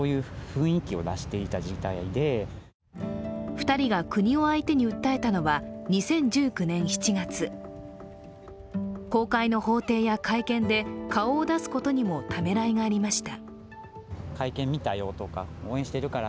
２人が国を相手に訴えたのは２０１９年７月公開の法廷や会見で顔を出すことにもためらいがありました。